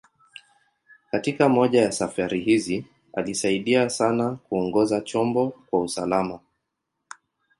Katika moja ya safari hizi, alisaidia sana kuongoza chombo kwa usalama.